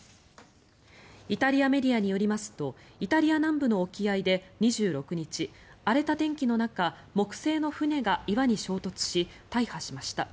イタリアメディアによりますとイタリア南部の沖合で２６日荒れた天気の中木製の船が岩に衝突し大破しました。